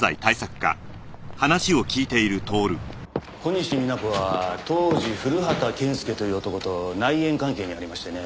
小西皆子は当時古畑健介という男と内縁関係にありましてね。